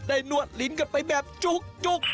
นวดลิ้นกันไปแบบจุก